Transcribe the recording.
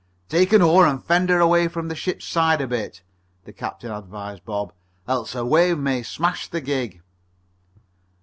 "Take an oar and fend her away from the ship's side a bit," the captain advised Bob. "Else a wave may smash the gig."